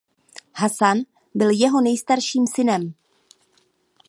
Hasan byl jeho nejstarším synem.